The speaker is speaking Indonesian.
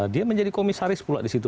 dia menjadi komisaris pula di situ